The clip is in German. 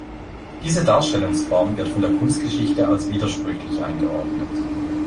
Diese Darstellungsform wird von der Kunstgeschichte als widersprüchlich eingeordnet.